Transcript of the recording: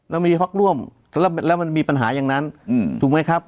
เรามีพักร่วมแล้วมันมีปัญหาอย่างนั้นถูกไหมครับ